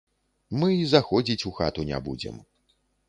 Мы і заходзіць у хату не будзем.